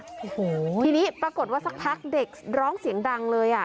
โอ้โหทีนี้ปรากฏว่าสักพักเด็กร้องเสียงดังเลยอ่ะ